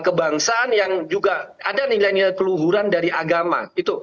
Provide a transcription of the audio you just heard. kebangsaan yang juga ada nilai nilai keluhuran dari agama